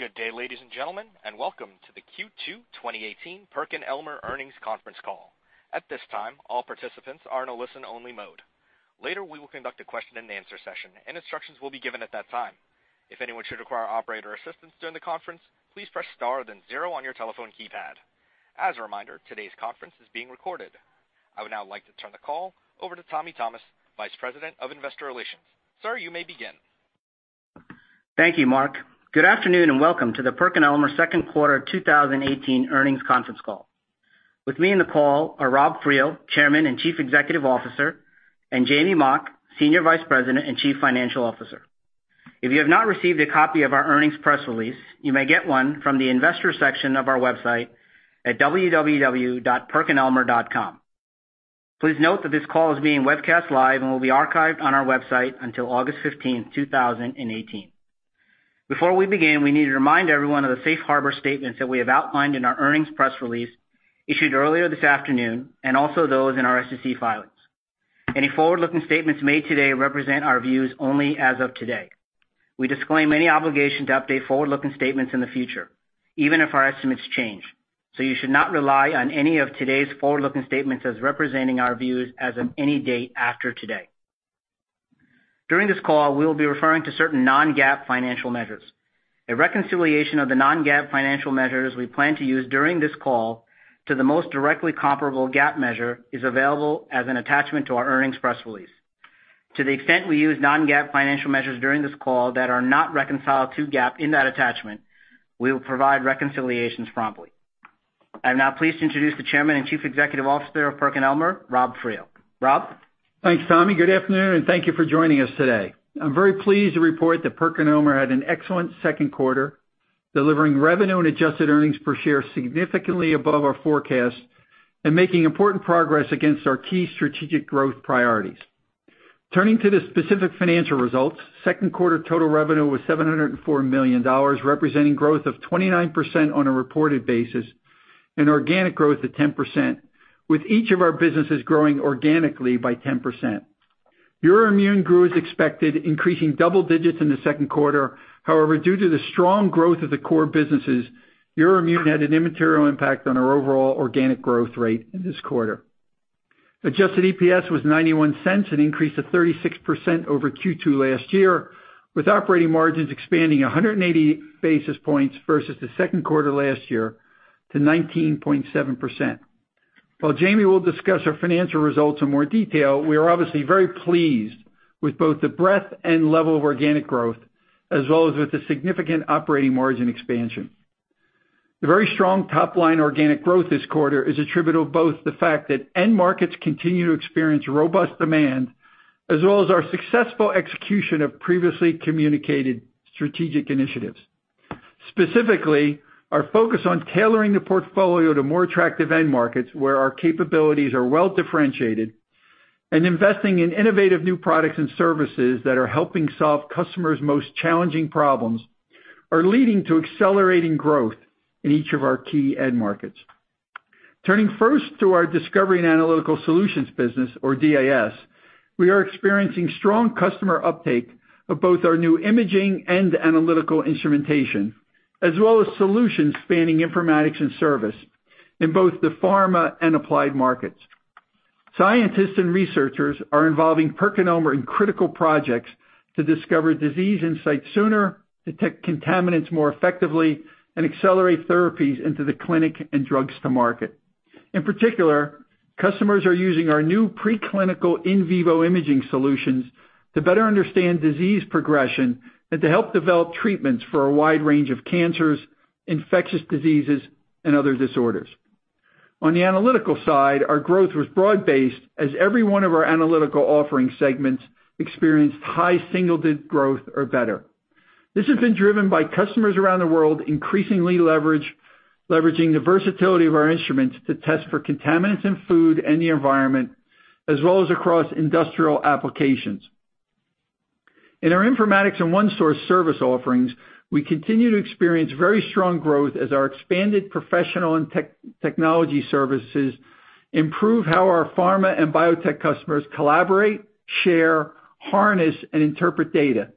Good day, ladies and gentlemen, and welcome to the Q2 2018 PerkinElmer Earnings Conference Call. At this time, all participants are in a listen only mode. Later, we will conduct a question and answer session, and instructions will be given at that time. If anyone should require operator assistance during the conference, please press star then zero on your telephone keypad. As a reminder, today's conference is being recorded. I would now like to turn the call over to Tommy Thomas, Vice President of Investor Relations. Sir, you may begin. Thank you, Mark. Good afternoon, and welcome to the PerkinElmer Second Quarter 2018 Earnings Conference Call. With me in the call are Robert Friel, Chairman and Chief Executive Officer, and Jamey Mock, Senior Vice President and Chief Financial Officer. If you have not received a copy of our earnings press release, you may get one from the investor section of our website at www.perkinelmer.com. Please note that this call is being webcast live and will be archived on our website until August 15, 2018. Before we begin, we need to remind everyone of the safe harbor statements that we have outlined in our earnings press release issued earlier this afternoon, and also those in our SEC filings. Any forward-looking statements made today represent our views only as of today. We disclaim any obligation to update forward-looking statements in the future, even if our estimates change. You should not rely on any of today's forward-looking statements as representing our views as of any date after today. During this call, we will be referring to certain non-GAAP financial measures. A reconciliation of the non-GAAP financial measures we plan to use during this call to the most directly comparable GAAP measure is available as an attachment to our earnings press release. To the extent we use non-GAAP financial measures during this call that are not reconciled to GAAP in that attachment, we will provide reconciliations promptly. I am now pleased to introduce the Chairman and Chief Executive Officer of PerkinElmer, Robert Friel. Rob? Thanks, Tommy. Good afternoon, and thank you for joining us today. I'm very pleased to report that PerkinElmer had an excellent second quarter, delivering revenue and adjusted earnings per share significantly above our forecast and making important progress against our key strategic growth priorities. Turning to the specific financial results, second quarter total revenue was $704 million, representing growth of 29% on a reported basis, and organic growth of 10%, with each of our businesses growing organically by 10%. Euroimmun grew as expected, increasing double digits in the second quarter. However, due to the strong growth of the core businesses, Euroimmun had an immaterial impact on our overall organic growth rate in this quarter. Adjusted EPS was $0.91, an increase of 36% over Q2 last year, with operating margins expanding 180 basis points versus the second quarter last year to 19.7%. While Jamey will discuss our financial results in more detail, we are obviously very pleased with both the breadth and level of organic growth, as well as with the significant operating margin expansion. The very strong top-line organic growth this quarter is attributable to both the fact that end markets continue to experience robust demand, as well as our successful execution of previously communicated strategic initiatives. Specifically, our focus on tailoring the portfolio to more attractive end markets where our capabilities are well-differentiated, and investing in innovative new products and services that are helping solve customers' most challenging problems, are leading to accelerating growth in each of our key end markets. Turning first to our Discovery & Analytical Solutions business, or DAS, we are experiencing strong customer uptake of both our new imaging and analytical instrumentation, as well as solutions spanning Informatics and service in both the pharma and applied markets. Scientists and researchers are involving PerkinElmer in critical projects to discover disease insights sooner, detect contaminants more effectively, and accelerate therapies into the clinic and drugs to market. In particular, customers are using our new preclinical in vivo imaging solutions to better understand disease progression and to help develop treatments for a wide range of cancers, infectious diseases, and other disorders. On the analytical side, our growth was broad-based, as every one of our analytical offering segments experienced high single-digit growth or better. This has been driven by customers around the world increasingly leveraging the versatility of our instruments to test for contaminants in food and the environment, as well as across industrial applications. In our Informatics and OneSource service offerings, we continue to experience very strong growth as our expanded professional and technology services improve how our pharma and biotech customers collaborate, share, harness, and interpret data.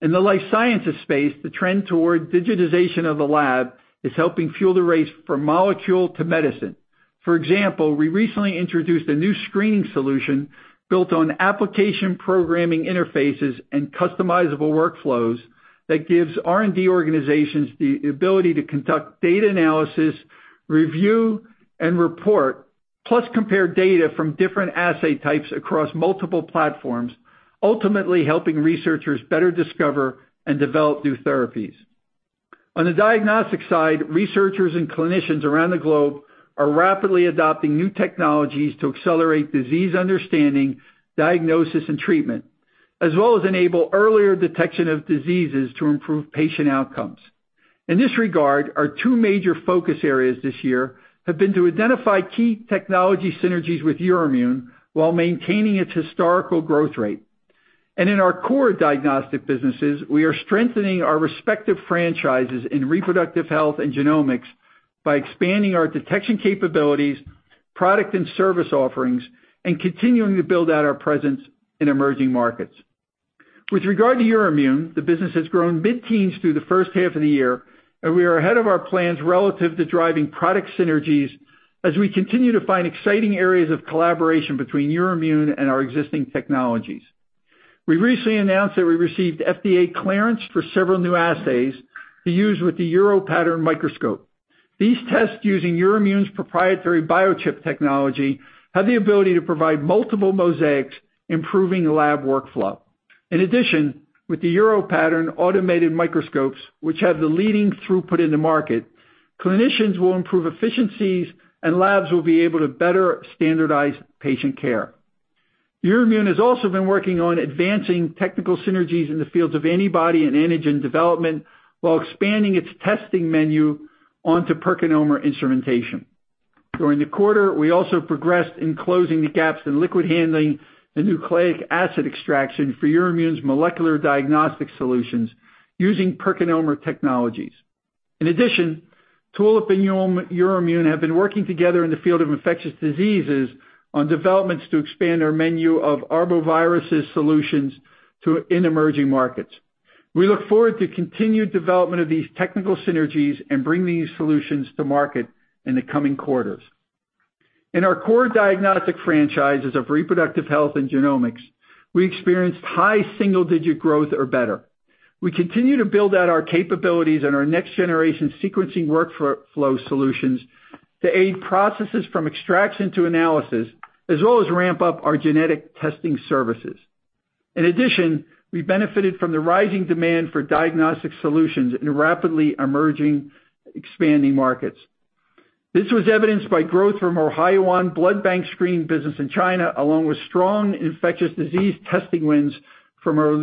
In the life sciences space, the trend toward digitization of the lab is helping fuel the race from molecule to medicine. For example, we recently introduced a new screening solution built on application programming interfaces and customizable workflows that gives R&D organizations the ability to conduct data analysis, review, and report, plus compare data from different assay types across multiple platforms, ultimately helping researchers better discover and develop new therapies. On the diagnostic side, researchers and clinicians around the globe are rapidly adopting new technologies to accelerate disease understanding, diagnosis, and treatment, as well as enable earlier detection of diseases to improve patient outcomes. In this regard, our two major focus areas this year have been to identify key technology synergies with Euroimmun while maintaining its historical growth rate. In our core diagnostic businesses, we are strengthening our respective franchises in reproductive health and genomics by expanding our detection capabilities, product and service offerings, and continuing to build out our presence in emerging markets. With regard to Euroimmun, the business has grown mid-teens through the first half of the year, and we are ahead of our plans relative to driving product synergies as we continue to find exciting areas of collaboration between Euroimmun and our existing technologies. We recently announced that we received FDA clearance for several new assays to use with the EUROPattern microscope. These tests, using Euroimmun's proprietary biochip technology, have the ability to provide multiple mosaics, improving lab workflow. In addition, with the EUROPattern automated microscopes, which have the leading throughput in the market, clinicians will improve efficiencies, and labs will be able to better standardize patient care. Euroimmun has also been working on advancing technical synergies in the fields of antibody and antigen development while expanding its testing menu onto PerkinElmer instrumentation. During the quarter, we also progressed in closing the gaps in liquid handling and nucleic acid extraction for Euroimmun's molecular diagnostic solutions using PerkinElmer technologies. In addition, Tulip and Euroimmun have been working together in the field of infectious diseases on developments to expand our menu of arbovirus solutions in emerging markets. We look forward to continued development of these technical synergies and bring these solutions to market in the coming quarters. In our core diagnostic franchises of reproductive health and genomics, we experienced high single-digit growth or better. We continue to build out our capabilities and our next-generation sequencing workflow solutions to aid processes from extraction to analysis, as well as ramp up our genetic testing services. In addition, we benefited from the rising demand for diagnostic solutions in rapidly emerging, expanding markets. This was evidenced by growth from our Haoyuan blood bank screening business in China, along with strong infectious disease testing wins from our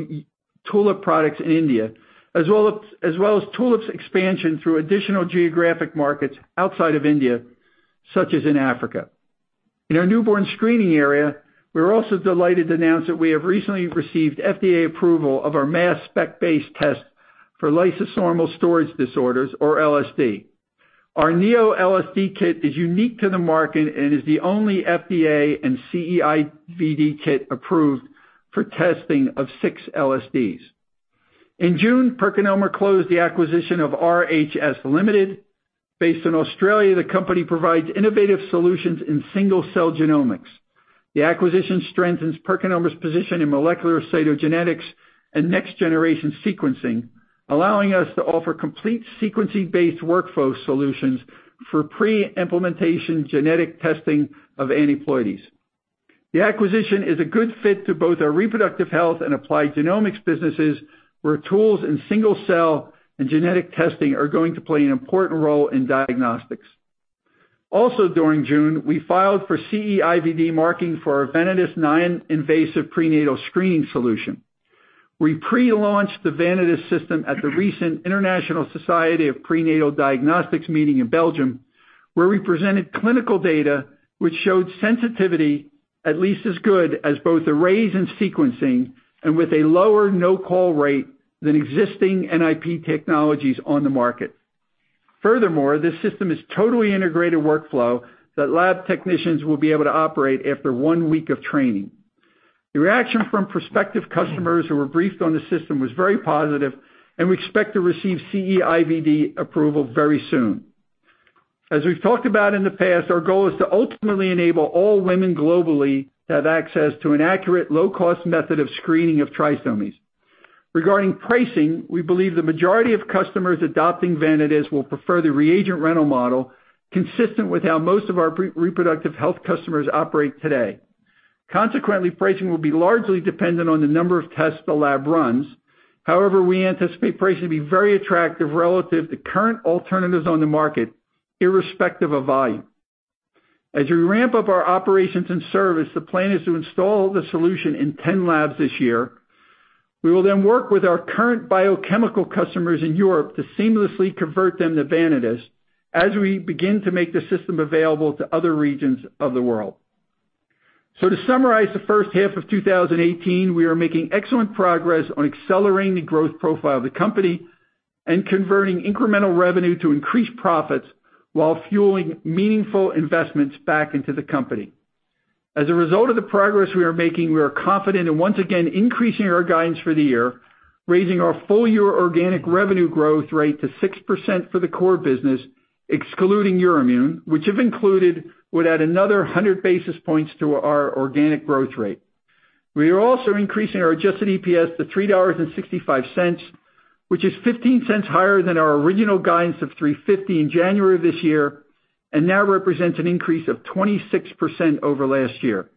Tulip products in India, as well as Tulip's expansion through additional geographic markets outside of India, such as in Africa. In our newborn screening area, we're also delighted to announce that we have recently received FDA approval of our mass spec-based test for lysosomal storage disorders, or LSD. Our NeoLSD kit is unique to the market and is the only FDA and CE-IVD kit approved for testing of 6 LSDs. In June, PerkinElmer closed the acquisition of RHS Limited. Based in Australia, the company provides innovative solutions in single-cell genomics. The acquisition strengthens PerkinElmer's position in molecular cytogenetics and next-generation sequencing, allowing us to offer complete sequencing-based workflow solutions for preimplantation genetic testing of aneuploidies. The acquisition is a good fit to both our reproductive health and applied genomics businesses, where tools in single-cell and genetic testing are going to play an important role in diagnostics. Also during June, we filed for CE-IVD marking for our Vanadis non-invasive prenatal screening solution. We pre-launched the Vanadis system at the recent International Society for Prenatal Diagnosis meeting in Belgium, where we presented clinical data which showed sensitivity at least as good as both arrays and sequencing and with a lower no-call rate than existing NIPT technologies on the market. Furthermore, this system is totally integrated workflow that lab technicians will be able to operate after one week of training. The reaction from prospective customers who were briefed on the system was very positive, and we expect to receive CE-IVD approval very soon. As we've talked about in the past, our goal is to ultimately enable all women globally to have access to an accurate, low-cost method of screening of trisomies. Regarding pricing, we believe the majority of customers adopting Vanadis will prefer the reagent rental model, consistent with how most of our reproductive health customers operate today. Consequently, pricing will be largely dependent on the number of tests the lab runs. However, we anticipate pricing to be very attractive relative to current alternatives on the market, irrespective of volume. As we ramp up our operations and service, the plan is to install the solution in 10 labs this year. We will then work with our current biochemical customers in Europe to seamlessly convert them to Vanadis as we begin to make the system available to other regions of the world. To summarize the first half of 2018, we are making excellent progress on accelerating the growth profile of the company and converting incremental revenue to increased profits while fueling meaningful investments back into the company. As a result of the progress we are making, we are confident in once again increasing our guidance for the year, raising our full-year organic revenue growth rate to 6% for the core business, excluding Euroimmun, which, if included, would add another 100 basis points to our organic growth rate. We are also increasing our adjusted EPS to $3.65, which is $0.15 higher than our original guidance of $3.50 in January of this year and now represents an increase of 26% over last year.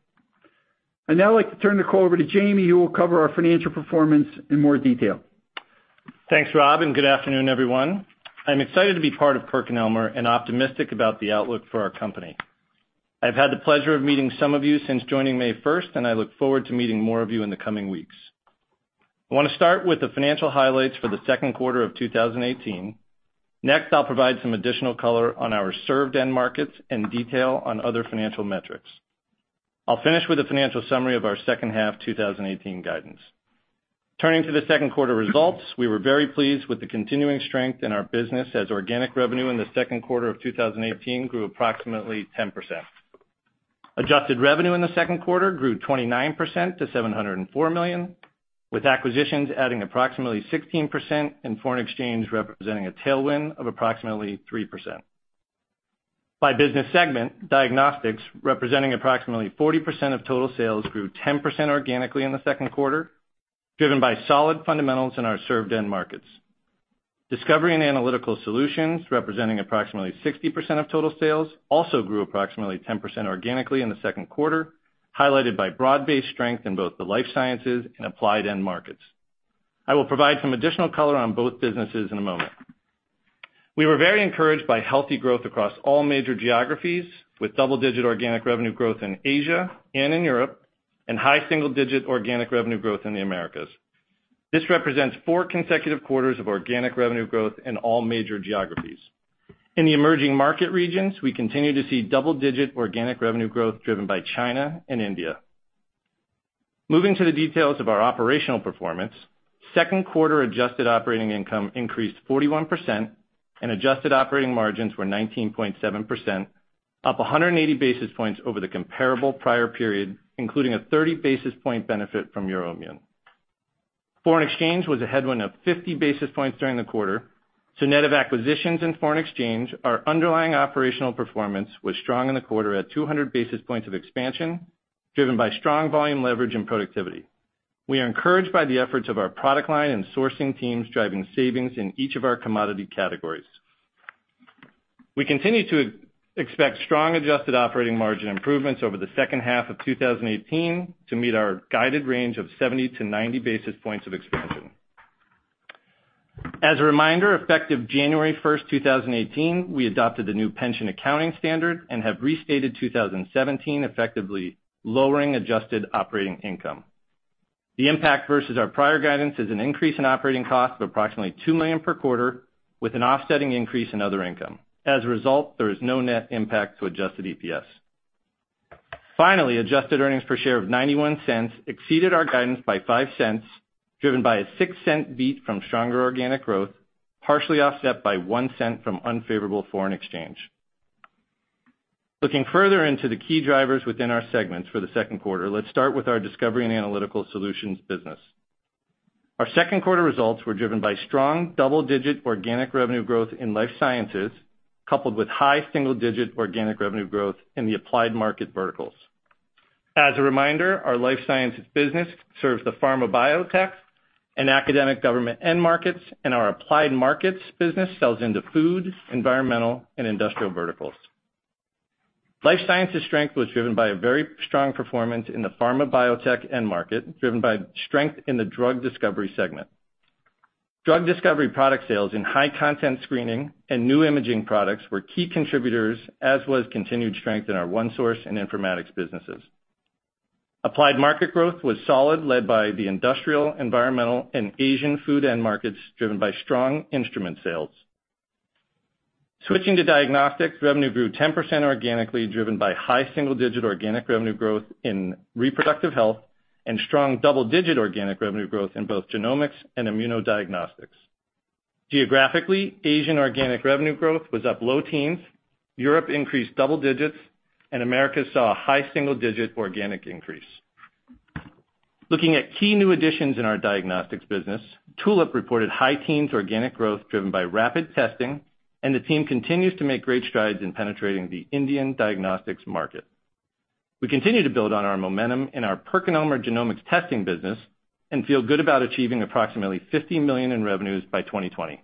I'd now like to turn the call over to Jamey, who will cover our financial performance in more detail. Thanks, Rob, and good afternoon, everyone. I'm excited to be part of PerkinElmer and optimistic about the outlook for our company. I've had the pleasure of meeting some of you since joining May 1st, and I look forward to meeting more of you in the coming weeks. I want to start with the financial highlights for the second quarter of 2018. Next, I'll provide some additional color on our served end markets and detail on other financial metrics. I'll finish with a financial summary of our second half 2018 guidance. Turning to the second quarter results, we were very pleased with the continuing strength in our business as organic revenue in the second quarter of 2018 grew approximately 10%. Adjusted revenue in the second quarter grew 29% to $704 million, with acquisitions adding approximately 16%, and foreign exchange representing a tailwind of approximately 3%. By business segment, Diagnostics, representing approximately 40% of total sales, grew 10% organically in the second quarter, driven by solid fundamentals in our served end markets. Discovery & Analytical Solutions, representing approximately 60% of total sales, also grew approximately 10% organically in the second quarter, highlighted by broad-based strength in both the life sciences and applied end markets. I will provide some additional color on both businesses in a moment. We were very encouraged by healthy growth across all major geographies, with double-digit organic revenue growth in Asia and in Europe, and high single-digit organic revenue growth in the Americas. This represents four consecutive quarters of organic revenue growth in all major geographies. In the emerging market regions, we continue to see double-digit organic revenue growth driven by China and India. Moving to the details of our operational performance, second quarter adjusted operating income increased 41%, and adjusted operating margins were 19.7%, up 180 basis points over the comparable prior period, including a 30-basis-point benefit from Euroimmun. Foreign exchange was a headwind of 50 basis points during the quarter. Net of acquisitions and foreign exchange, our underlying operational performance was strong in the quarter at 200 basis points of expansion, driven by strong volume leverage and productivity. We are encouraged by the efforts of our product line and sourcing teams, driving savings in each of our commodity categories. We continue to expect strong adjusted operating margin improvements over the second half of 2018 to meet our guided range of 70 to 90 basis points of expansion. As a reminder, effective January 1st, 2018, we adopted the new pension accounting standard and have restated 2017, effectively lowering adjusted operating income. The impact versus our prior guidance is an increase in operating cost of approximately $2 million per quarter, with an offsetting increase in other income. As a result, there is no net impact to adjusted EPS. Finally, adjusted earnings per share of $0.91 exceeded our guidance by $0.05, driven by a $0.06 beat from stronger organic growth, partially offset by $0.01 from unfavorable foreign exchange. Looking further into the key drivers within our segments for the second quarter, let's start with our Discovery and Analytical Solutions business. Our second quarter results were driven by strong double-digit organic revenue growth in life sciences, coupled with high single-digit organic revenue growth in the applied market verticals. As a reminder, our life sciences business serves the pharma, biotech, and academic government end markets, and our applied markets business sells into food, environmental, and industrial verticals. Life sciences strength was driven by a very strong performance in the pharma/biotech end market, driven by strength in the drug discovery segment. Drug discovery product sales in high-content screening and new imaging products were key contributors, as was continued strength in our OneSource and Informatics businesses. Applied market growth was solid, led by the industrial, environmental, and Asian food end markets, driven by strong instrument sales. Switching to diagnostics, revenue grew 10% organically, driven by high single-digit organic revenue growth in reproductive health and strong double-digit organic revenue growth in both genomics and immunodiagnostics. Geographically, Asian organic revenue growth was up low teens, Europe increased double digits, and Americas saw a high single-digit organic increase. Looking at key new additions in our diagnostics business, Tulip reported high teens organic growth driven by rapid testing, and the team continues to make great strides in penetrating the Indian diagnostics market. We continue to build on our momentum in our PerkinElmer genomics testing business and feel good about achieving approximately $50 million in revenues by 2020.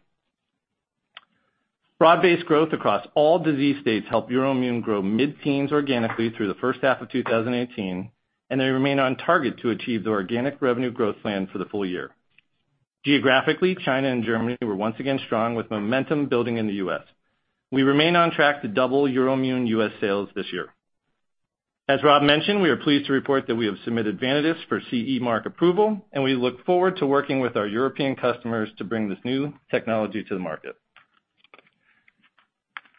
Broad-based growth across all disease states helped Euroimmun grow mid-teens organically through the first half of 2018, and they remain on target to achieve the organic revenue growth plan for the full year. Geographically, China and Germany were once again strong, with momentum building in the U.S. We remain on track to double Euroimmun U.S. sales this year. As Robert Friel mentioned, we are pleased to report that we have submitted Vanadis for CE mark approval. We look forward to working with our European customers to bring this new technology to the market.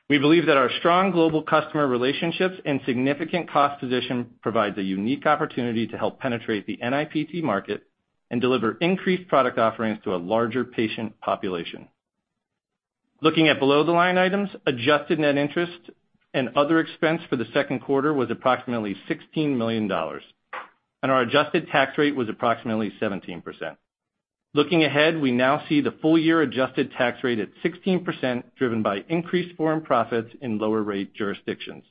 We believe that our strong global customer relationships and significant cost position provides a unique opportunity to help penetrate the NIPT market and deliver increased product offerings to a larger patient population. Looking at below the line items, adjusted net interest and other expense for the second quarter was approximately $16 million, and our adjusted tax rate was approximately 17%. Looking ahead, we now see the full year adjusted tax rate at 16%, driven by increased foreign profits in lower rate jurisdictions.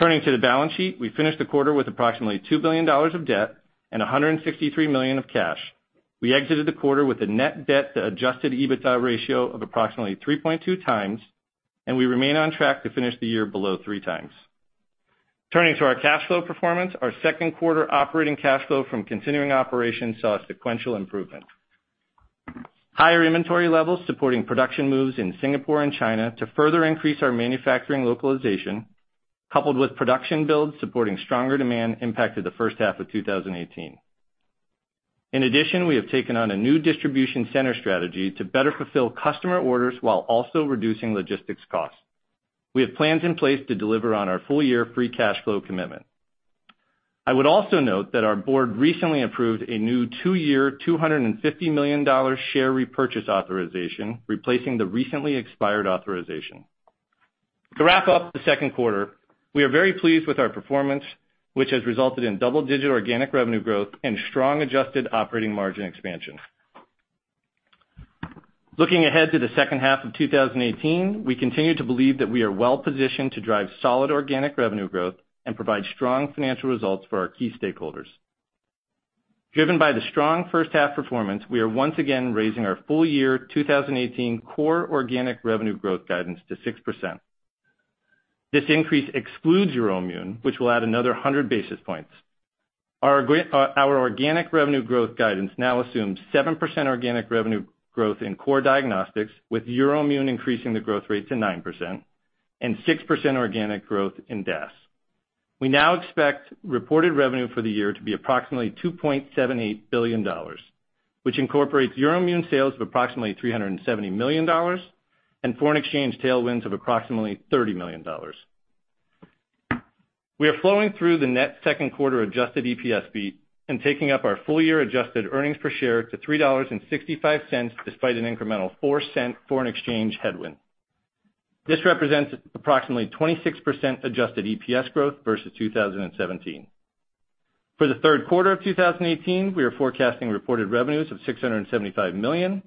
Turning to the balance sheet, we finished the quarter with approximately $2 billion of debt and $163 million of cash. We exited the quarter with a net debt to adjusted EBITDA ratio of approximately 3.2 times. We remain on track to finish the year below three times. Turning to our cash flow performance, our second quarter operating cash flow from continuing operations saw a sequential improvement. Higher inventory levels supporting production moves in Singapore and China to further increase our manufacturing localization, coupled with production builds supporting stronger demand impacted the first half of 2018. In addition, we have taken on a new distribution center strategy to better fulfill customer orders while also reducing logistics costs. We have plans in place to deliver on our full-year free cash flow commitment. I would also note that our board recently approved a new two-year, $250 million share repurchase authorization, replacing the recently expired authorization. To wrap up the second quarter, we are very pleased with our performance, which has resulted in double-digit organic revenue growth and strong adjusted operating margin expansion. Looking ahead to the second half of 2018, we continue to believe that we are well-positioned to drive solid organic revenue growth and provide strong financial results for our key stakeholders. Driven by the strong first-half performance, we are once again raising our full-year 2018 core organic revenue growth guidance to 6%. This increase excludes Euroimmun, which will add another 100 basis points. Our organic revenue growth guidance now assumes 7% organic revenue growth in core diagnostics, with Euroimmun increasing the growth rate to 9% and 6% organic growth in DAS. We now expect reported revenue for the year to be approximately $2.78 billion, which incorporates Euroimmun sales of approximately $370 million and foreign exchange tailwinds of approximately $30 million. We are flowing through the net second quarter adjusted EPS beat and taking up our full-year adjusted earnings per share to $3.65, despite an incremental $0.04 foreign exchange headwind. This represents approximately 26% adjusted EPS growth versus 2017. For the third quarter of 2018, we are forecasting reported revenues of $675 million,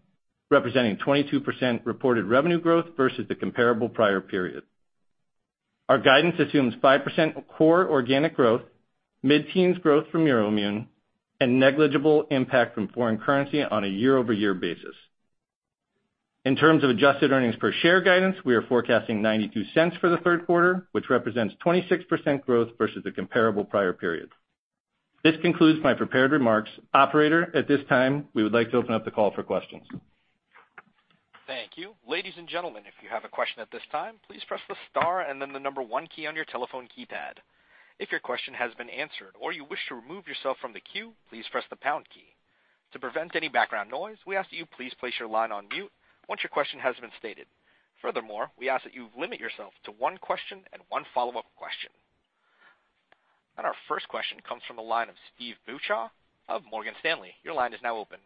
representing 22% reported revenue growth versus the comparable prior period. Our guidance assumes 5% core organic growth, mid-teens growth from Euroimmun, and negligible impact from foreign currency on a year-over-year basis. In terms of adjusted earnings per share guidance, we are forecasting $0.92 for the third quarter, which represents 26% growth versus the comparable prior period. This concludes my prepared remarks. Operator, at this time, we would like to open up the call for questions. Thank you. Ladies and gentlemen, if you have a question at this time, please press the star and then the number 1 key on your telephone keypad. If your question has been answered or you wish to remove yourself from the queue, please press the pound key. To prevent any background noise, we ask that you please place your line on mute once your question has been stated. Furthermore, we ask that you limit yourself to one question and one follow-up question. Our first question comes from the line of Steve Beuchaw of Morgan Stanley. Your line is now open.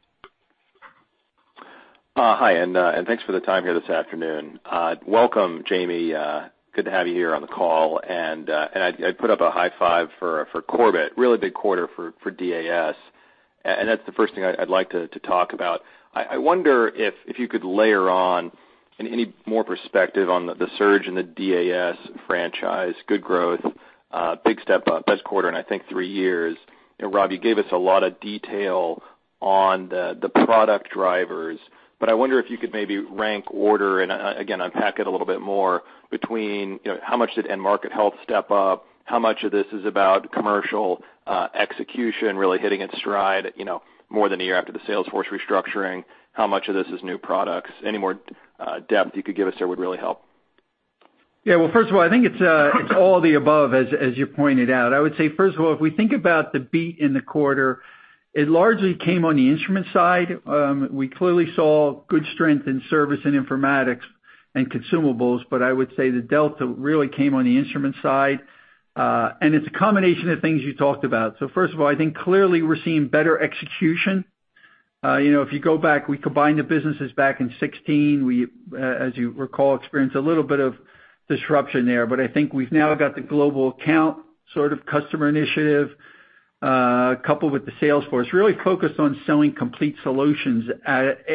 Hi. Thanks for the time here this afternoon. Welcome, Jamey. Good to have you here on the call. I put up a high five for Corbett. Really big quarter for DAS. That's the first thing I'd like to talk about. I wonder if you could layer on any more perspective on the surge in the DAS franchise. Good growth, big step up, best quarter in I think three years. Rob, you gave us a lot of detail on the product drivers, but I wonder if you could maybe rank, order, and again, unpack it a little bit more between how much did end market health step up? How much of this is about commercial execution really hitting its stride more than a year after the sales force restructuring? How much of this is new products? Any more depth you could give us there would really help. Well, first of all, I think it's all the above, as you pointed out. I would say, first of all, if we think about the beat in the quarter, it largely came on the instrument side. We clearly saw good strength in service and Informatics and consumables, but I would say the delta really came on the instrument side. It's a combination of things you talked about. First of all, I think clearly we're seeing better execution. If you go back, we combined the businesses back in 2016. We, as you recall, experienced a little bit of disruption there, but I think we've now got the global account customer initiative, coupled with the sales force, really focused on selling complete solutions,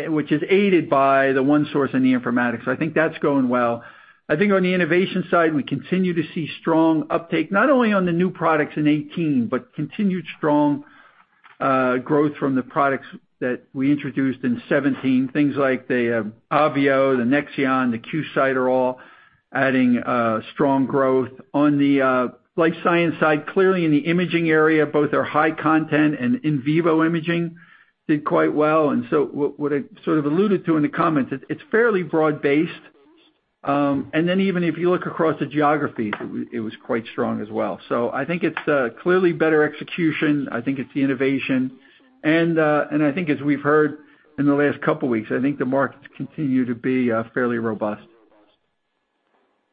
which is aided by the OneSource in the Informatics. I think that's going well. I think on the innovation side, we continue to see strong uptake, not only on the new products in 2018, but continued strong growth from the products that we introduced in 2017. Things like the Avio, the NexION, the QSight are all adding strong growth. On the life science side, clearly in the imaging area, both our high-content and in vivo imaging did quite well. What I sort of alluded to in the comments, it's fairly broad-based. Even if you look across the geographies, it was quite strong as well. I think it's clearly better execution. I think it's the innovation. I think as we've heard in the last couple of weeks, I think the markets continue to be fairly robust.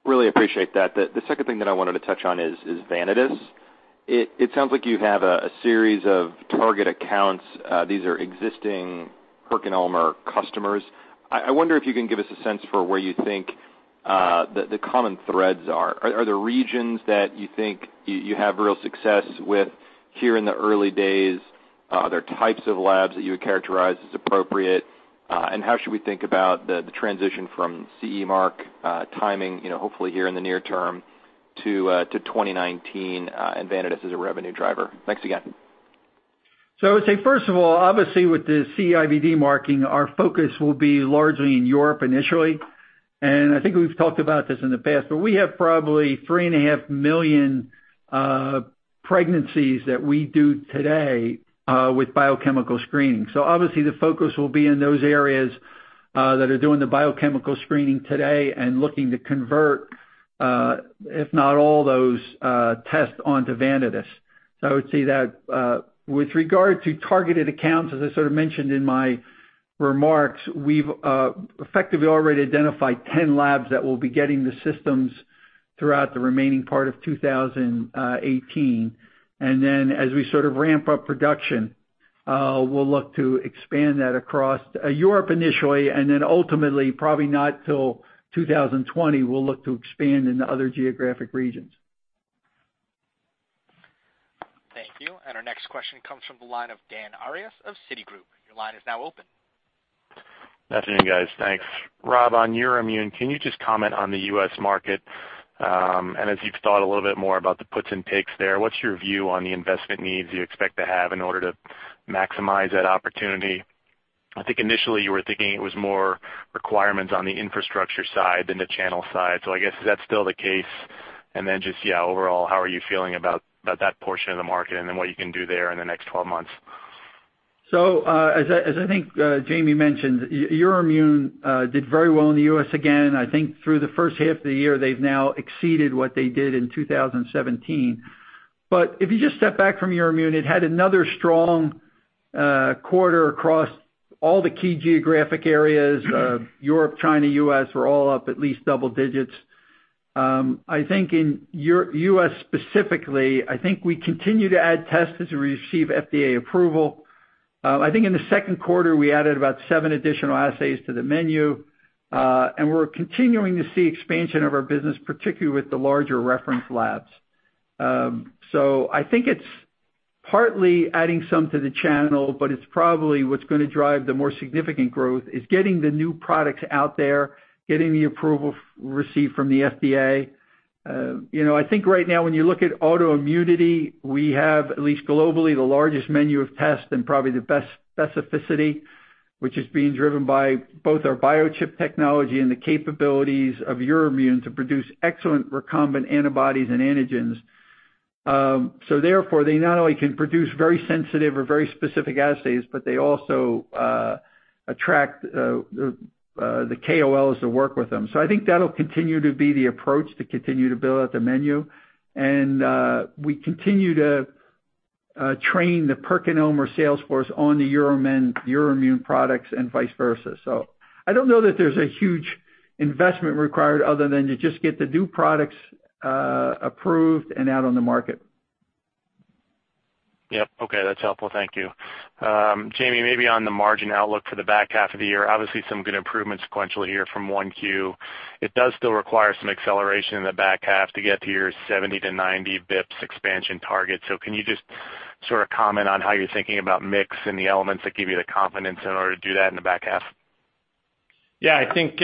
Really appreciate that. The second thing that I wanted to touch on is Vanadis. It sounds like you have a series of target accounts. These are existing PerkinElmer customers. I wonder if you can give us a sense for where you think the common threads are. Are there regions that you think you have real success with here in the early days? Are there types of labs that you would characterize as appropriate? How should we think about the transition from CE mark timing, hopefully here in the near term to 2019 and Vanadis as a revenue driver? Thanks again. I would say, first of all, obviously with the CE-IVD marking, our focus will be largely in Europe initially. I think we've talked about this in the past, but we have probably 3.5 million pregnancies that we do today with biochemical screening. Obviously the focus will be in those areas that are doing the biochemical screening today and looking to convert if not all those tests onto Vanadis. I would see that with regard to targeted accounts, as I sort of mentioned in my remarks, we've effectively already identified 10 labs that will be getting the systems throughout the remaining part of 2018. As we sort of ramp up production, we'll look to expand that across Europe initially, and then ultimately, probably not till 2020, we'll look to expand into other geographic regions. Thank you. Our next question comes from the line of Dan Arias of Citigroup. Your line is now open. Good afternoon, guys. Thanks. Rob, on Euroimmun, can you just comment on the U.S. market? As you've thought a little bit more about the puts and takes there, what's your view on the investment needs you expect to have in order to maximize that opportunity? I think initially you were thinking it was more requirements on the infrastructure side than the channel side. I guess, is that still the case? Then just, yeah, overall, how are you feeling about that portion of the market and then what you can do there in the next 12 months? As I think Jamey mentioned, Euroimmun did very well in the U.S. again. I think through the first half of the year, they've now exceeded what they did in 2017. If you just step back from Euroimmun, it had another strong quarter across all the key geographic areas of Europe, China, U.S., were all up at least double digits. I think in U.S. specifically, I think we continue to add tests as we receive FDA approval. I think in the second quarter, we added about seven additional assays to the menu. We're continuing to see expansion of our business, particularly with the larger reference labs. I think it's partly adding some to the channel, but it's probably what's going to drive the more significant growth is getting the new products out there, getting the approval received from the FDA. I think right now, when you look at autoimmunity, we have at least globally, the largest menu of tests and probably the best specificity, which is being driven by both our biochip technology and the capabilities of Euroimmun to produce excellent recombinant antibodies and antigens. Therefore, they not only can produce very sensitive or very specific assays, but they also attract the KOLs to work with them. I think that'll continue to be the approach to continue to build out the menu. We continue to train the PerkinElmer sales force on the Euroimmun products and vice versa. I don't know that there's a huge investment required other than to just get the new products approved and out on the market. Yep. Okay, that's helpful. Thank you. Jamey, maybe on the margin outlook for the back half of the year, obviously some good improvements sequentially here from 1Q. It does still require some acceleration in the back half to get to your 70-90 basis points expansion target. Can you just sort of comment on how you're thinking about mix and the elements that give you the confidence in order to do that in the back half? Yeah, I think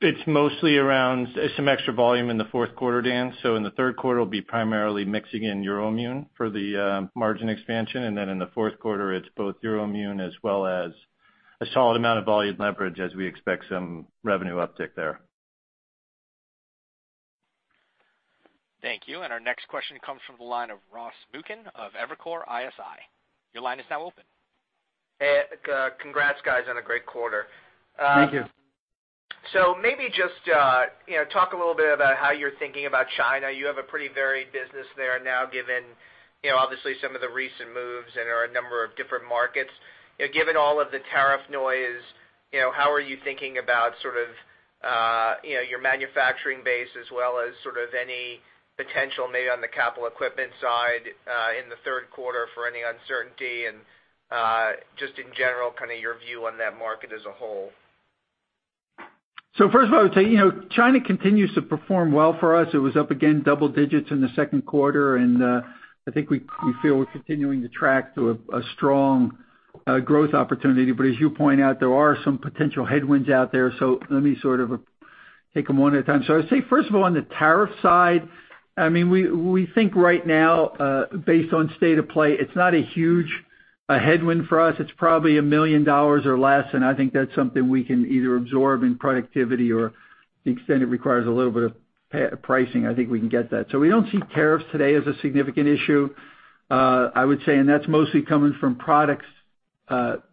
it's mostly around some extra volume in the fourth quarter, Dan. In the third quarter, it'll be primarily mixing in Euroimmun for the margin expansion. In the fourth quarter, it's both Euroimmun as well as a solid amount of volume leverage as we expect some revenue uptick there. Thank you. Our next question comes from the line of Ross Muken of Evercore ISI. Your line is now open. Hey, congrats guys, on a great quarter. Thank you. Maybe just talk a little bit about how you're thinking about China. You have a pretty varied business there now given obviously some of the recent moves and there are a number of different markets. Given all of the tariff noise, how are you thinking about sort of your manufacturing base as well as sort of any potential maybe on the capital equipment side in the third quarter for any uncertainty and just in general, kind of your view on that market as a whole? First of all, I would say, China continues to perform well for us. It was up again double digits in the second quarter, I think we feel we're continuing to track to a strong growth opportunity. As you point out, there are some potential headwinds out there. Let me sort of take them one at a time. I'd say, first of all, on the tariff side, we think right now, based on state of play, it's not a huge headwind for us. It's probably $1 million or less, I think that's something we can either absorb in productivity or the extent it requires a little bit of pricing, I think we can get that. We don't see tariffs today as a significant issue. That's mostly coming from products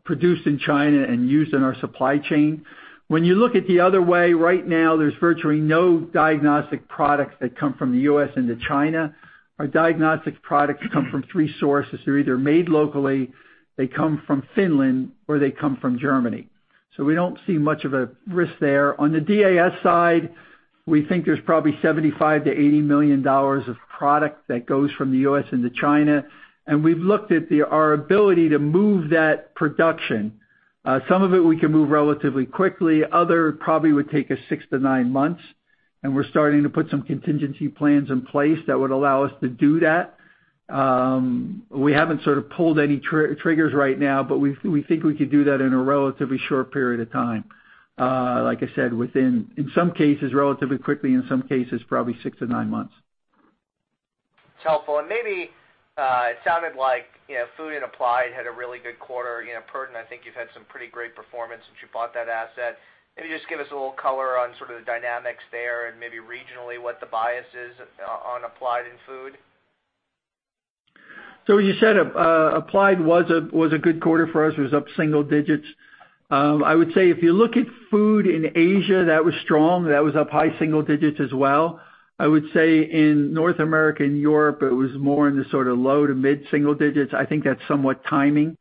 produced in China and used in our supply chain. When you look at the other way, right now, there's virtually no diagnostic products that come from the U.S. into China. Our diagnostic products come from three sources. They're either made locally, they come from Finland, or they come from Germany. We don't see much of a risk there. On the DAS side, we think there's probably $75 million-$80 million of product that goes from the U.S. into China, we've looked at our ability to move that production. Some of it we can move relatively quickly, other probably would take us six to nine months, we're starting to put some contingency plans in place that would allow us to do that. We haven't sort of pulled any triggers right now, we think we could do that in a relatively short period of time. Like I said, within, in some cases, relatively quickly, in some cases, probably six to nine months. It's helpful. Maybe, it sounded like Food and Applied had a really good quarter. Perten, I think you've had some pretty great performance since you bought that asset. Maybe just give us a little color on sort of the dynamics there and maybe regionally what the bias is on Applied and Food. As you said, Applied was a good quarter for us. It was up single digits. I would say if you look at food in Asia, that was strong. That was up high single digits as well. I would say in North America and Europe, it was more in the sort of low to mid-single digits. I think that's somewhat timing.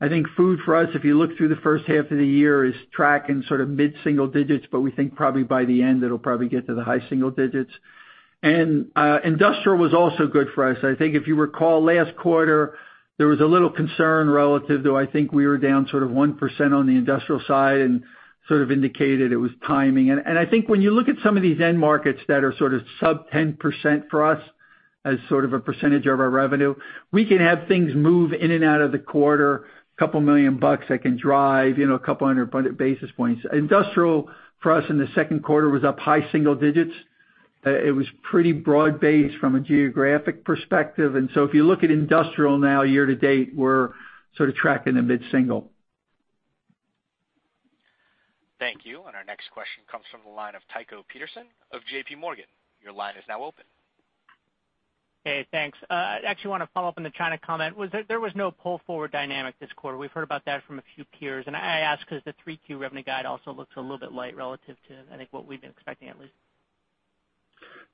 I think food for us, if you look through the first half of the year, is tracking sort of mid-single digits, but we think probably by the end it'll probably get to the high single digits. Industrial was also good for us. I think if you recall, last quarter, there was a little concern relative, though I think we were down sort of 1% on the industrial side and sort of indicated it was timing. I think when you look at some of these end markets that are sort of sub 10% for us as sort of a percentage of our revenue, we can have things move in and out of the quarter, a couple $ million that can drive a couple hundred basis points. Industrial for us in the second quarter was up high single digits. It was pretty broad-based from a geographic perspective, if you look at industrial now year-to-date, we're sort of tracking the mid-single. Thank you. Our next question comes from the line of Tycho Peterson of J.P. Morgan. Your line is now open. Hey, thanks. I actually want to follow up on the China comment. There was no pull-forward dynamic this quarter. We've heard about that from a few peers. I ask because the 3Q revenue guide also looks a little bit light relative to, I think, what we've been expecting, at least.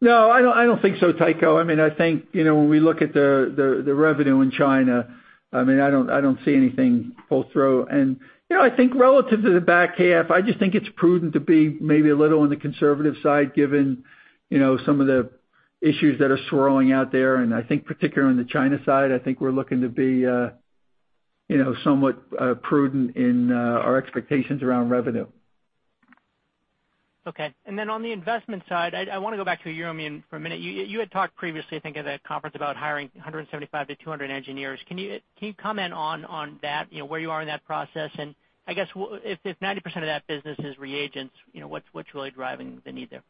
No, I don't think so, Tycho. I think, when we look at the revenue in China, I don't see anything pull-through. I think relative to the back half, I just think it's prudent to be maybe a little on the conservative side given some of the issues that are swirling out there. I think particularly on the China side, I think we're looking to be somewhat prudent in our expectations around revenue. Okay. On the investment side, I want to go back to Euroimmun for a minute. You had talked previously, I think, at a conference about hiring 175-200 engineers. Can you comment on that, where you are in that process? I guess, if 90% of that business is reagents, what's really driving the need there?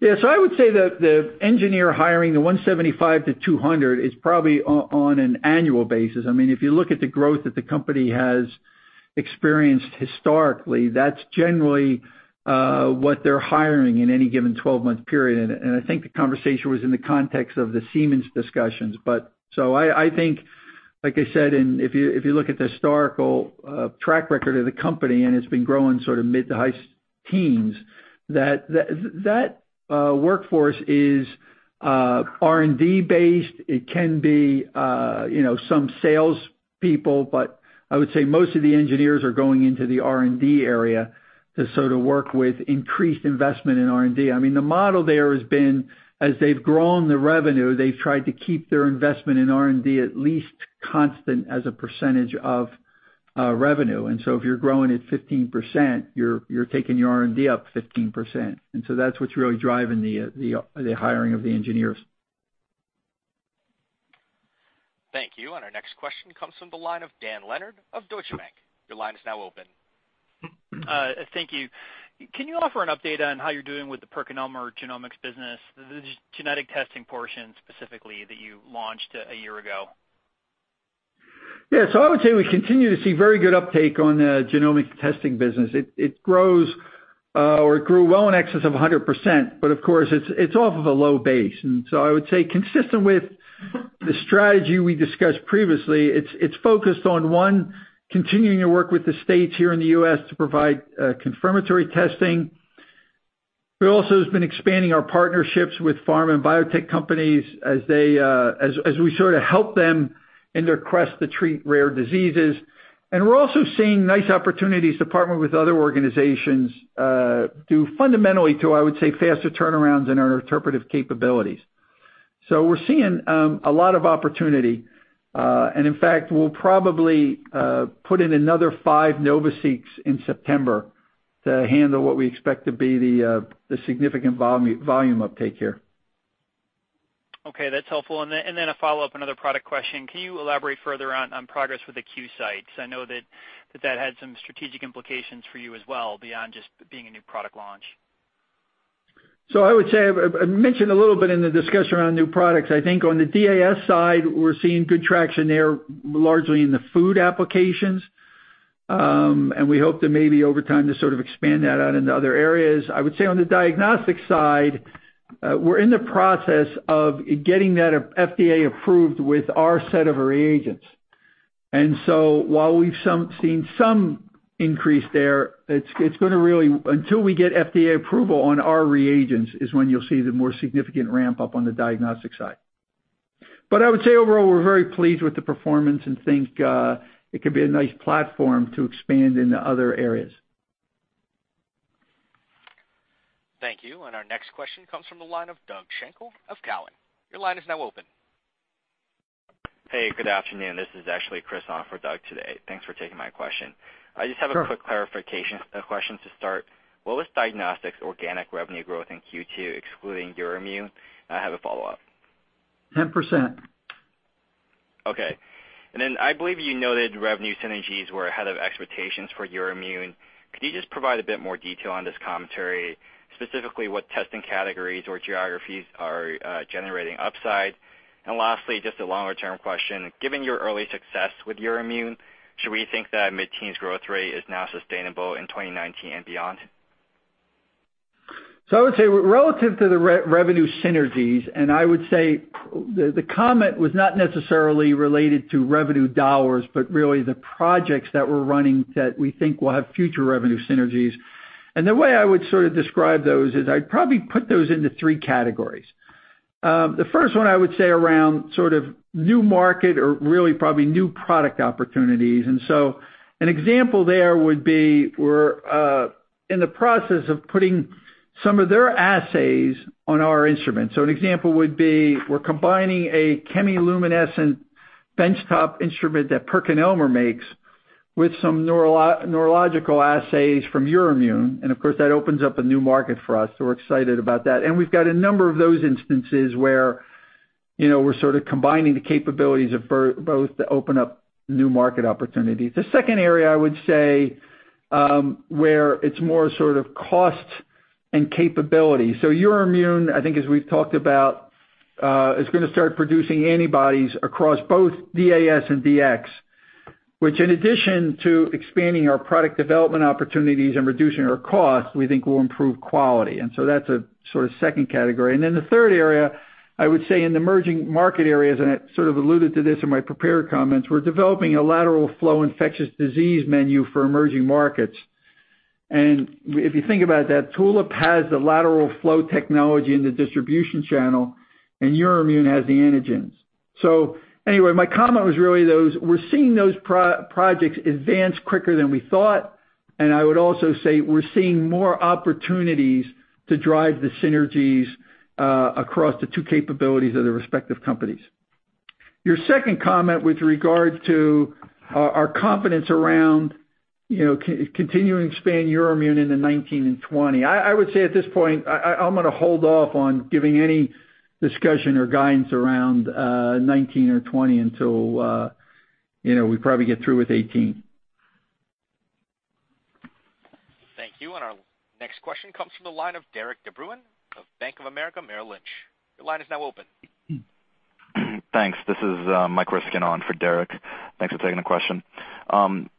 Yeah, I would say that the engineer hiring, the 175-200, is probably on an annual basis. If you look at the growth that the company has experienced historically, that's generally what they're hiring in any given 12-month period. I think the conversation was in the context of the Siemens discussions. I think, like I said, if you look at the historical track record of the company, it's been growing sort of mid to high teens, that workforce is R&D based. It can be some sales people, but I would say most of the engineers are going into the R&D area to sort of work with increased investment in R&D. The model there has been, as they've grown the revenue, they've tried to keep their investment in R&D at least constant as a percentage of revenue. If you're growing at 15%, you're taking your R&D up 15%. That's what's really driving the hiring of the engineers. Thank you. Our next question comes from the line of Dan Leonard of Deutsche Bank. Your line is now open. Thank you. Can you offer an update on how you're doing with the PerkinElmer genomics business, the genetic testing portion specifically that you launched a year ago? Yeah. I would say we continue to see very good uptake on the genomic testing business. It grows, or it grew well in excess of 100%, but of course it's off of a low base. I would say consistent with the strategy we discussed previously, it's focused on one, continuing to work with the states here in the U.S. to provide confirmatory testing. We also have been expanding our partnerships with pharma and biotech companies as we sort of help them in their quest to treat rare diseases. We're also seeing nice opportunities to partner with other organizations due fundamentally to, I would say, faster turnarounds in our interpretive capabilities. We're seeing a lot of opportunity. In fact, we'll probably put in another five NovaSeqs in September to handle what we expect to be the significant volume uptake here. Okay. That's helpful. A follow-up, another product question. Can you elaborate further on progress with the QSight? I know that had some strategic implications for you as well, beyond just being a new product launch. I would say I mentioned a little bit in the discussion around new products. I think on the DAS side, we're seeing good traction there, largely in the food applications. We hope to maybe over time to sort of expand that out into other areas. I would say on the diagnostic side, we're in the process of getting that FDA approved with our set of reagents. While we've seen some increase there, until we get FDA approval on our reagents is when you'll see the more significant ramp-up on the diagnostic side. I would say overall, we're very pleased with the performance and think it could be a nice platform to expand into other areas. Thank you. Our next question comes from the line of Doug Schenkel of Cowen. Your line is now open. Hey, good afternoon. This is actually Chris on for Doug today. Thanks for taking my question. Sure. I just have a quick clarification question to start. What was Diagnostics organic revenue growth in Q2, excluding Euroimmun? I have a follow-up. 10%. Okay. I believe you noted revenue synergies were ahead of expectations for Euroimmun. Could you just provide a bit more detail on this commentary, specifically what testing categories or geographies are generating upside? Lastly, just a longer-term question. Given your early success with Euroimmun, should we think that mid-teens growth rate is now sustainable in 2019 and beyond? I would say relative to the revenue synergies, I would say the comment was not necessarily related to revenue dollars, but really the projects that we're running that we think will have future revenue synergies. The way I would sort of describe those is I'd probably put those into three categories. The first one I would say around new market or really probably new product opportunities. An example there would be we're in the process of putting some of their assays on our instruments. An example would be we're combining a chemiluminescent benchtop instrument that PerkinElmer makes with some neurological assays from Euroimmun, of course, that opens up a new market for us. We're excited about that. We've got a number of those instances where we're sort of combining the capabilities of both to open up new market opportunities. The second area, I would say, where it's more sort of cost and capability. Euroimmun, I think as we've talked about, is going to start producing antibodies across both DAS and DX, which in addition to expanding our product development opportunities and reducing our costs, we think will improve quality. That's a sort of second category. The third area, I would say in the emerging market areas, I sort of alluded to this in my prepared comments, we're developing a lateral flow infectious disease menu for emerging markets. If you think about that, Tulip has the lateral flow technology in the distribution channel, Euroimmun has the antigens. Anyway, my comment was really we're seeing those projects advance quicker than we thought, and I would also say we're seeing more opportunities to drive the synergies across the two capabilities of the respective companies. Your second comment with regard to our confidence around continuing to expand Euroimmun into 2019 and 2020. I would say at this point, I'm going to hold off on giving any discussion or guidance around 2019 or 2020 until we probably get through with 2018. Thank you. Our next question comes from the line of Derik de Bruin of Bank of America Merrill Lynch. Your line is now open. Thanks. This is Mike Ryskin on for Derik. Thanks for taking the question.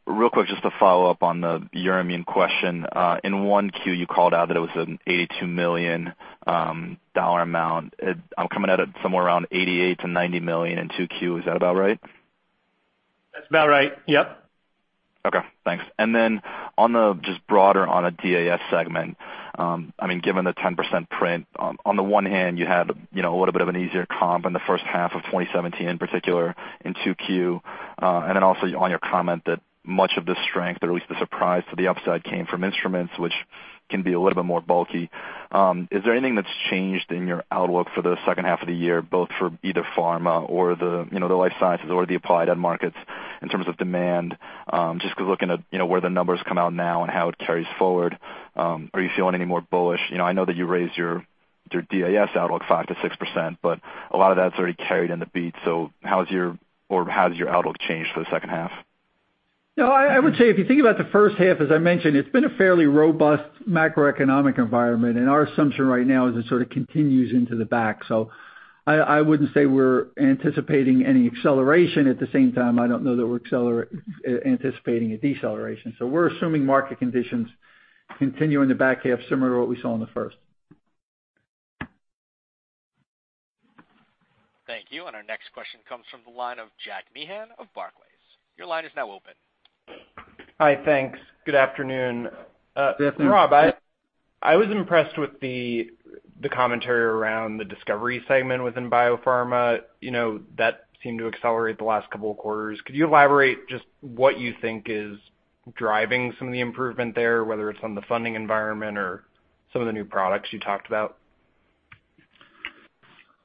Real quick, just to follow up on the Euroimmun question. In 1Q, you called out that it was an $82 million amount. I'm coming at it somewhere around $88 million-$90 million in 2Q. Is that about right? That's about right. Yep. Okay, thanks. On the broader DAS segment, given the 10% print, on the one hand, you had a little bit of an easier comp in the first half of 2017, in particular in 2Q. Also on your comment that much of the strength or at least the surprise to the upside came from instruments which can be a little bit more bulky. Is there anything that's changed in your outlook for the second half of the year, both for either pharma or the life sciences or the applied end markets in terms of demand? Just because looking at where the numbers come out now and how it carries forward, are you feeling any more bullish? I know that you raised your DAS outlook 5%-6%, but a lot of that's already carried in the beat. How has your outlook changed for the second half? No, I would say if you think about the first half, as I mentioned, it's been a fairly robust macroeconomic environment, and our assumption right now is it sort of continues into the back. I wouldn't say we're anticipating any acceleration. At the same time, I don't know that we're anticipating a deceleration. We're assuming market conditions continue in the back half similar to what we saw in the first. Thank you. Our next question comes from the line of Jack Meehan of Barclays. Your line is now open. Hi, thanks. Good afternoon. Yes, sir. Rob, I was impressed with the commentary around the Discovery segment within biopharma. That seemed to accelerate the last couple of quarters. Could you elaborate just what you think is driving some of the improvement there, whether it's from the funding environment or some of the new products you talked about?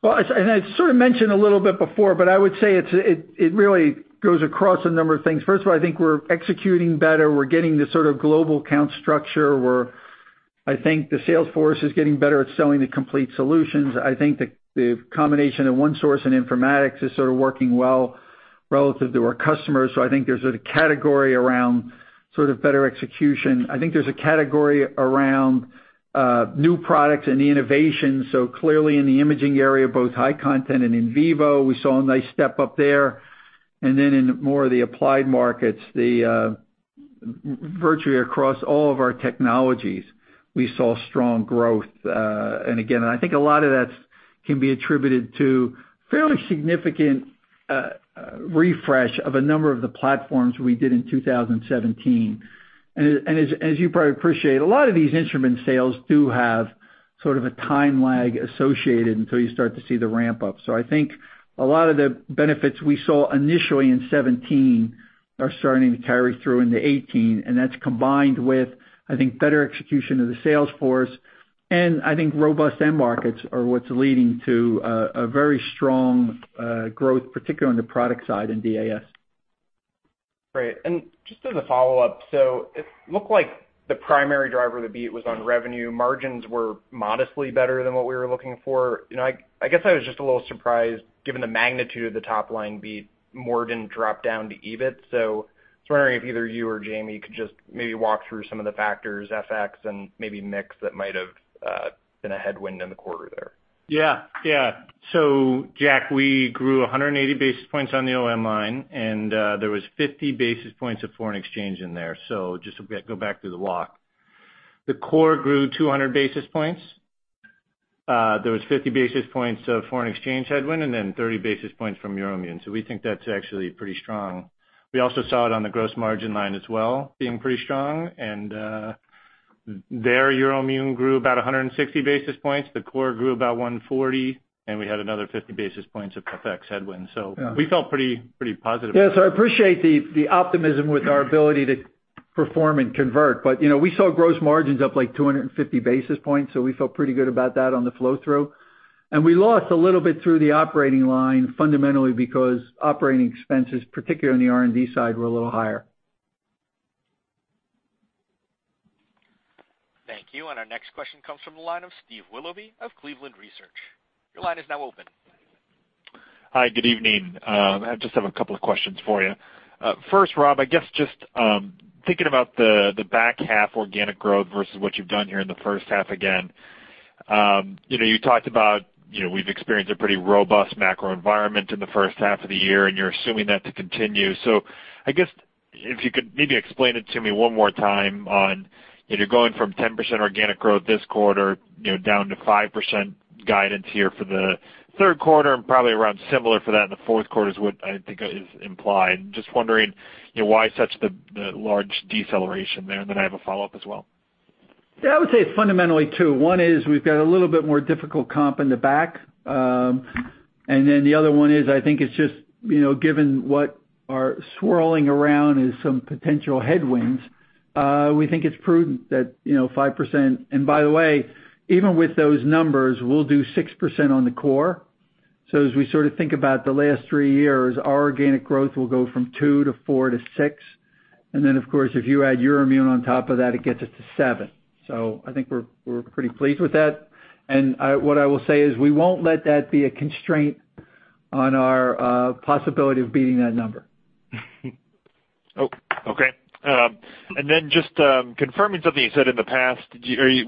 I sort of mentioned a little bit before, but I would say it really goes across a number of things. First of all, I think we're executing better. We're getting this sort of global count structure, where I think the sales force is getting better at selling the complete solutions. I think the combination of OneSource and Informatics is sort of working well relative to our customers. I think there's a category around better execution. I think there's a category around new products and the innovation. Clearly in the imaging area, both high-content and in vivo, we saw a nice step up there. In more of the applied markets, virtually across all of our technologies, we saw strong growth. I think a lot of that can be attributed to fairly significant refresh of a number of the platforms we did in 2017. As you probably appreciate, a lot of these instrument sales do have sort of a time lag associated until you start to see the ramp up. I think a lot of the benefits we saw initially in 2017 are starting to carry through into 2018, and that's combined with, I think, better execution of the sales force, and I think robust end markets are what's leading to a very strong growth, particularly on the product side in DAS. Great. Just as a follow-up, it looked like the primary driver of the beat was on revenue. Margins were modestly better than what we were looking for. I guess I was just a little surprised, given the magnitude of the top-line beat, more didn't drop down to EBIT. I was wondering if either you or Jamey could just maybe walk through some of the factors, FX and maybe mix that might have been a headwind in the quarter there. Yeah. Jack, we grew 180 basis points on the OM line, and there was 50 basis points of foreign exchange in there. Just to go back through the walk. The core grew 200 basis points. There was 50 basis points of foreign exchange headwind and then 30 basis points from Euroimmun. We think that's actually pretty strong. We also saw it on the gross margin line as well-being pretty strong. There, Euroimmun grew about 160 basis points. The core grew about 140, and we had another 50 basis points of FX headwind. Yeah. We felt pretty positive. Yes. I appreciate the optimism with our ability to perform and convert. We saw gross margins up like 250 basis points. We felt pretty good about that on the flow-through. We lost a little bit through the operating line fundamentally because operating expenses, particularly on the R&D side, were a little higher. Thank you. Our next question comes from the line of Steve Willoughby of Cleveland Research. Your line is now open. Hi, good evening. I just have a couple of questions for you. First, Rob, I guess just thinking about the back half organic growth versus what you've done here in the first half again. You talked about, we've experienced a pretty robust macro environment in the first half of the year. You're assuming that to continue. I guess if you could maybe explain it to me one more time on, you're going from 10% organic growth this quarter, down to 5% guidance here for the third quarter and probably around similar for that in the fourth quarter is what I think is implied. Just wondering why such the large deceleration there. I have a follow-up as well. Yeah, I would say fundamentally two. One is we've got a little bit more difficult comp in the back. The other one is, I think it's just, given what are swirling around as some potential headwinds, we think it's prudent that 5%. By the way, even with those numbers, we'll do 6% on the core. As we think about the last three years, our organic growth will go from two to four to six. Of course, if you add Euroimmun on top of that, it gets us to seven. I think we're pretty pleased with that. What I will say is we won't let that be a constraint on our possibility of beating that number. Okay. Just confirming something you said in the past,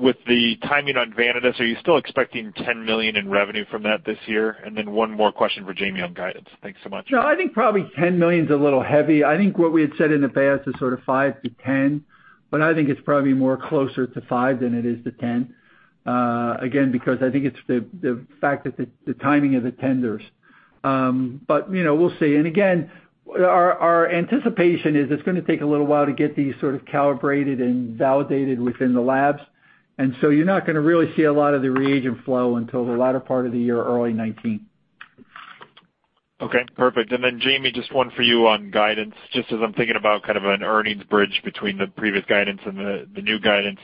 with the timing on Vanadis, are you still expecting $10 million in revenue from that this year? One more question for Jamey on guidance. Thanks so much. No, I think probably $10 million is a little heavy. I think what we had said in the past is sort of $5 million to $10 million, but I think it's probably more closer to $5 million than it is to $10 million. Again, because I think it's the fact that the timing of the tenders. We'll see. Our anticipation is it's going to take a little while to get these sort of calibrated and validated within the labs. You're not going to really see a lot of the reagent flow until the latter part of the year, early 2019. Okay, perfect. Jamey, just one for you on guidance. Just as I'm thinking about an earnings bridge between the previous guidance and the new guidance.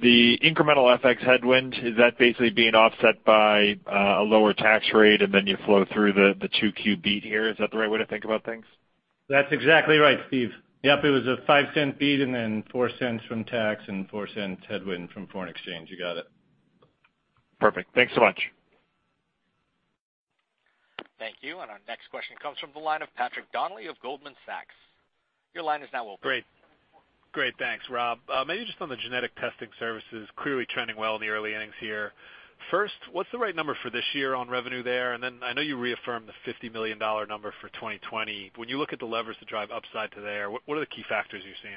The incremental FX headwind, is that basically being offset by a lower tax rate and then you flow through the 2Q beat here? Is that the right way to think about things? That's exactly right, Steve. Yep. It was a $0.05 beat and then $0.04 from tax and $0.04 headwind from foreign exchange. You got it. Perfect. Thanks so much. Thank you. Our next question comes from the line of Patrick Donnelly of Goldman Sachs. Your line is now open. Great. Thanks, Rob. Maybe just on the genetic testing services, clearly trending well in the early innings here. First, what's the right number for this year on revenue there? Then I know you reaffirmed the $50 million number for 2020. When you look at the levers to drive upside to there, what are the key factors you're seeing?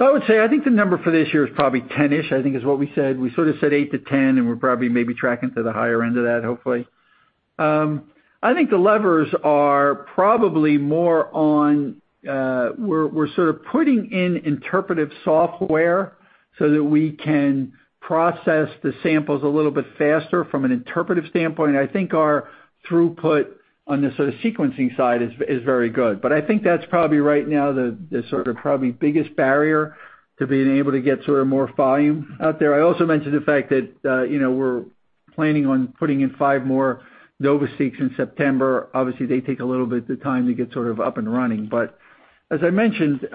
I would say, I think the number for this year is probably 10-ish, I think is what we said. We sort of said eight to 10, and we're probably maybe tracking to the higher end of that, hopefully. I think the levers are probably more on, we're sort of putting in interpretive software so that we can process the samples a little bit faster from an interpretive standpoint. I think our throughput on the sort of sequencing side is very good. I think that's probably right now the sort of probably biggest barrier to being able to get more volume out there. I also mentioned the fact that we're planning on putting in five more NovaSeq in September. Obviously, they take a little bit the time to get sort of up and running. As I mentioned,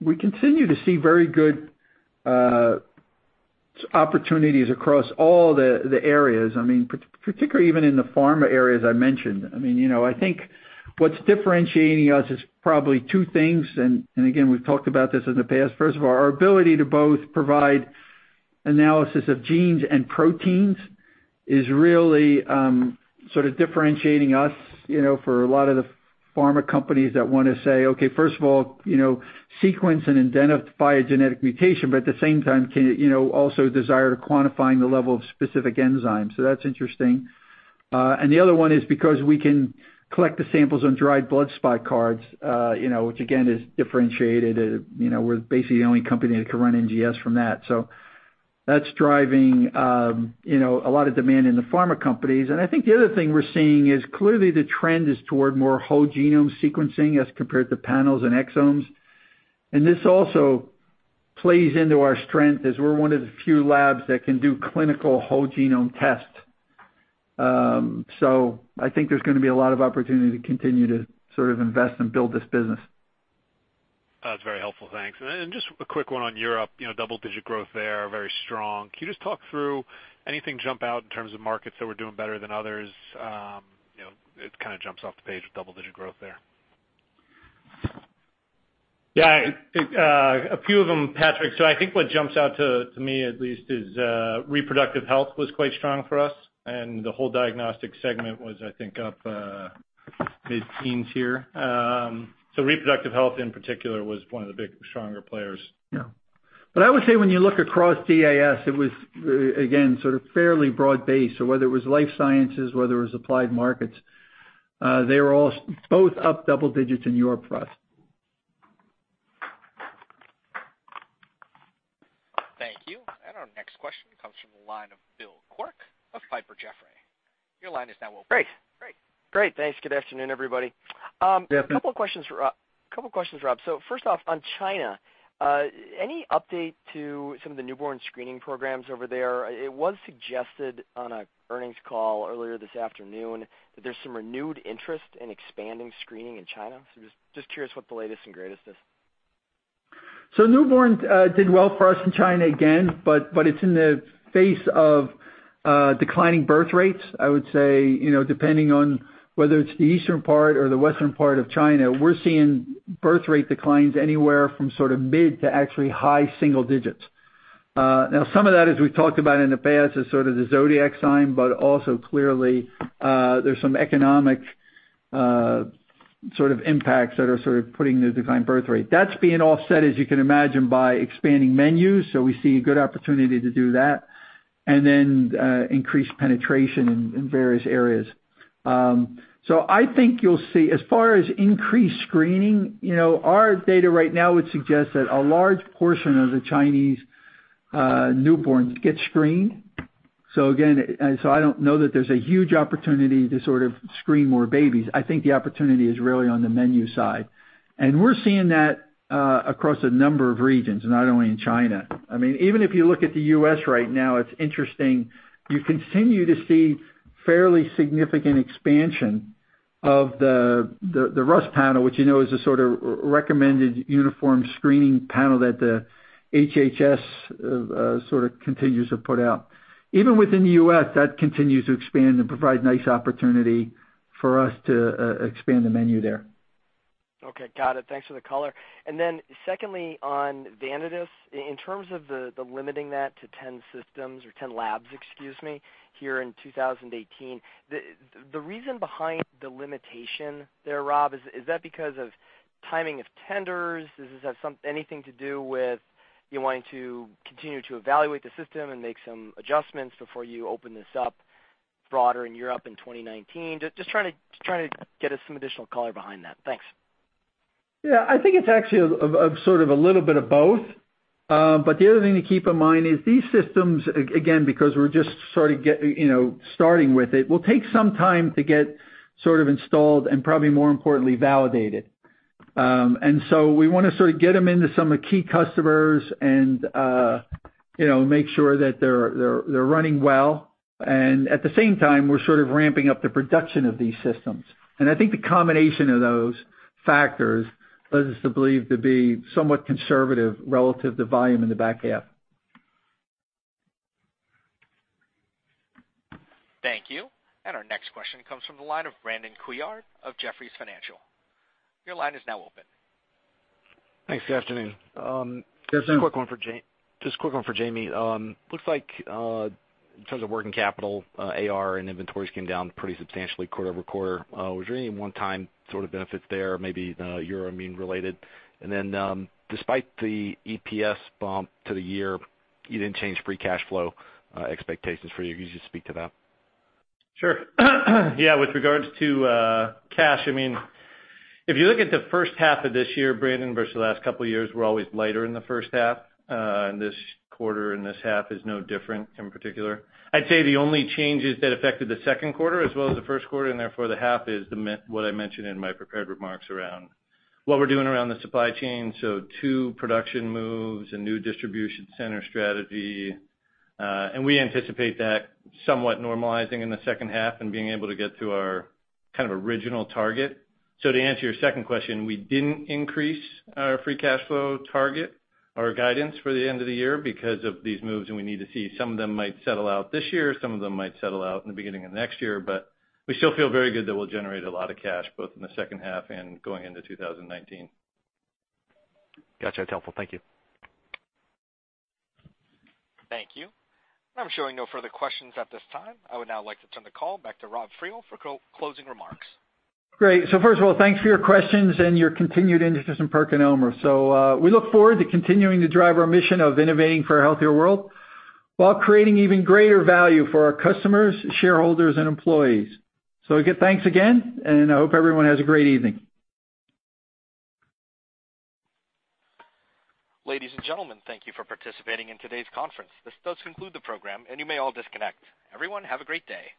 we continue to see very good opportunities across all the areas. Particularly even in the pharma areas I mentioned. I think what's differentiating us is probably two things, and again, we've talked about this in the past. First of all, our ability to both provide analysis of genes and proteins is really differentiating us for a lot of the pharma companies that want to say, okay, first of all, sequence and identify a genetic mutation, but at the same time can also desire to quantifying the level of specific enzymes. That's interesting. The other one is because we can collect the samples on dried blood spot cards, which again, is differentiated. We're basically the only company that can run NGS from that. That's driving a lot of demand in the pharma companies. I think the other thing we're seeing is clearly the trend is toward more whole genome sequencing as compared to panels and exomes. This also plays into our strength as we're one of the few labs that can do clinical whole genome tests. I think there's going to be a lot of opportunity to continue to invest and build this business. That's very helpful. Thanks. Then just a quick one on Europe, double-digit growth there, very strong. Can you just talk through anything jump out in terms of markets that we're doing better than others? It kind of jumps off the page with double-digit growth there. A few of them, Patrick. I think what jumps out to me at least is reproductive health was quite strong for us, and the whole diagnostic segment was, I think, up mid-teens here. Reproductive health in particular was one of the big stronger players. Yeah. I would say when you look across DAS, it was, again, sort of fairly broad-based. Whether it was life sciences, whether it was applied markets, they were both up double digits in Europe for us. Thank you. Our next question comes from the line of Bill Quirk of Piper Jaffray. Your line is now open. Great. Thanks. Good afternoon, everybody. Yeah. A couple of questions, Rob. First off, on China, any update to some of the newborn screening programs over there? It was suggested on an earnings call earlier this afternoon that there's some renewed interest in expanding screening in China. Just curious what the latest and greatest is. Newborns did well for us in China again, but it's in the face of declining birth rates. I would say, depending on whether it's the eastern part or the western part of China, we're seeing birth rate declines anywhere from sort of mid to actually high single digits. Some of that, as we've talked about in the past, is sort of the zodiac sign, but also clearly, there's some economic sort of impacts that are sort of putting the decline birth rate. That's being offset, as you can imagine, by expanding menus, we see a good opportunity to do that, and then increased penetration in various areas. I think you'll see, as far as increased screening, our data right now would suggest that a large portion of the Chinese newborns get screened. Again, I don't know that there's a huge opportunity to sort of screen more babies. I think the opportunity is really on the menu side. We're seeing that across a number of regions, not only in China. I mean, even if you look at the U.S. right now, it's interesting. You continue to see fairly significant expansion of the RUSP panel, which is a sort of recommended uniform screening panel that the HHS sort of continues to put out. Even within the U.S., that continues to expand and provide nice opportunity for us to expand the menu there. Okay. Got it. Thanks for the color. Secondly, on Vanadis, in terms of the limiting that to 10 systems or 10 labs, excuse me, here in 2018, the reason behind the limitation there, Rob, is that because of timing of tenders? Does this have anything to do with you wanting to continue to evaluate the system and make some adjustments before you open this up broader in Europe in 2019? Just trying to get us some additional color behind that. Thanks. I think it's actually a little bit of both. The other thing to keep in mind is these systems, again, because we're just starting with it, will take some time to get installed and probably more importantly, validated. We want to sort of get them into some key customers and make sure that they're running well. At the same time, we're sort of ramping up the production of these systems. I think the combination of those factors leads us to believe to be somewhat conservative relative to volume in the back half. Thank you. Our next question comes from the line of Brandon Couillard of Jefferies. Your line is now open. Thanks. Good afternoon. Yes, sir. Just quick one for Jamey. Looks like in terms of working capital, AR, and inventories came down pretty substantially quarter-over-quarter. Was there any one-time sort of benefits there, maybe Euroimmun related? Then, despite the EPS bump to the year, you didn't change free cash flow expectations for you. Could you just speak to that? Sure. Yeah, with regards to cash, if you look at the first half of this year, Brandon, versus the last couple of years, we're always lighter in the first half. This quarter and this half is no different in particular. I'd say the only changes that affected the second quarter as well as the first quarter, and therefore the half, is what I mentioned in my prepared remarks around what we're doing around the supply chain. Two production moves, a new distribution center strategy, and we anticipate that somewhat normalizing in the second half and being able to get to our kind of original target. To answer your second question, we didn't increase our free cash flow target or guidance for the end of the year because of these moves, and we need to see some of them might settle out this year, some of them might settle out in the beginning of next year, but we still feel very good that we'll generate a lot of cash both in the second half and going into 2019. Got you. It's helpful. Thank you. Thank you. I'm showing no further questions at this time. I would now like to turn the call back to Rob Friel for closing remarks. Great. First of all, thanks for your questions and your continued interest in PerkinElmer. We look forward to continuing to drive our mission of innovating for a healthier world while creating even greater value for our customers, shareholders, and employees. Again, thanks again, and I hope everyone has a great evening. Ladies and gentlemen, thank you for participating in today's conference. This does conclude the program, and you may all disconnect. Everyone, have a great day.